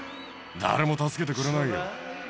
誰も助けてくれないよ。